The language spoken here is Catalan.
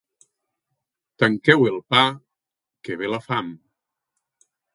Tanqueu bé el pa, que ve la fam.